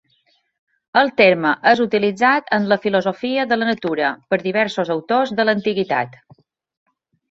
El terme és utilitzat en la filosofia de la natura per diversos autors de l'antiguitat.